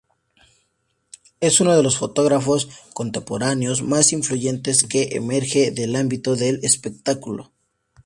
Es uno de los fotógrafos contemporáneos más influyentes que emerge del ámbito del espectáculo.